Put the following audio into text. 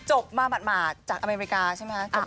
จบมาหมาดจากอเมริกาใช่ไหมคะ